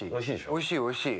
おいしいおいしい！